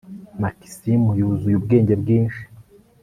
Makisimu yuzuye ubwenge bwinshi